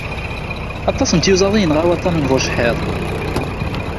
Aṭas n tyuzaḍ i yenɣa waṭan n bucḥiḍ.